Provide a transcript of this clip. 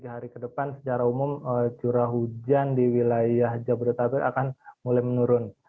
tiga hari ke depan secara umum curah hujan di wilayah jabodetabek akan mulai menurun